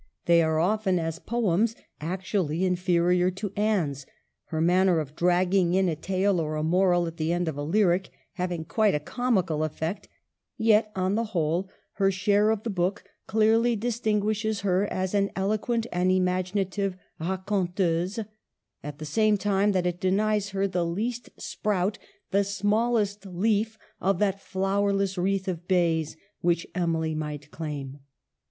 They are often, as poems, actually inferior to Anne's, her manner of dragging in a tale or a moral at the end of a lyric having quite a comical effect ; yet, on the whole, her share of the book clearly distin guishes her as an eloquent and imaginative raconteuse, at the same time that it denies her the least sprout, the smallest leaf, of that flower less wreath of bays which Emily might claim.